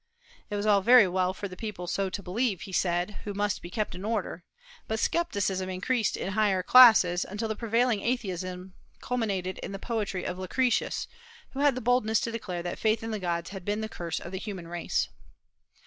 It was all very well for the people so to believe, he said, who must be kept in order; but scepticism increased in the higher classes until the prevailing atheism culminated in the poetry of Lucretius, who had the boldness to declare that faith in the gods had been the curse of the human race.